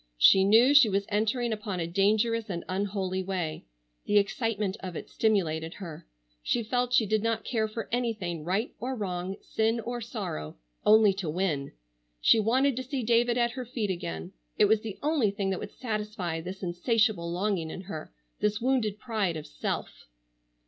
She knew she was entering upon a dangerous and unholy way. The excitement of it stimulated her. She felt she did not care for anything, right or wrong, sin or sorrow, only to win. She wanted to see David at her feet again. It was the only thing that would satisfy this insatiable longing in her, this wounded pride of self.